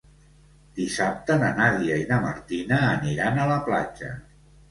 Dissabte na Nàdia i na Martina aniran a la platja.